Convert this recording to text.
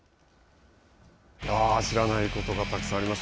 知らないことがたくさんありました。